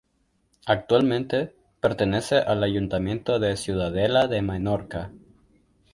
Actualmente, pertenece al Ayuntamiento de Ciudadela de Menorca.